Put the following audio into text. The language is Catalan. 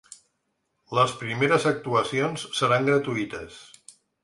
Les primeres actuacions seran gratuïtes.